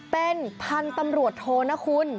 เป็นพันธุ์ตำรวจโทนะคุณ